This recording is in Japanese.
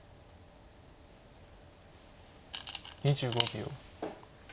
２５秒。